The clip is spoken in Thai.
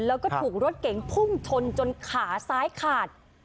แล้วก็ถูกรถเก๋งพุ่งชนจนขาซ้ายขาด